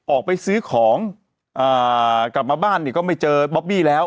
ออกไปซื้อของกลับมาบ้านเนี่ยก็ไม่เจอบอบบี้แล้ว